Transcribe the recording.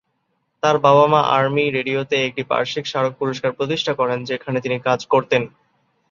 তার বাবা-মা আর্মি রেডিওতে একটি বার্ষিক স্মারক পুরস্কার প্রতিষ্ঠা করেন, যেখানে তিনি কাজ করতেন।